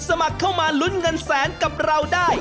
สมัครเข้ามาลุ้นเงินแสนกับเราได้